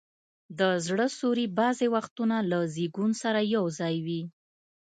د زړه سوري بعضي وختونه له زیږون سره یو ځای وي.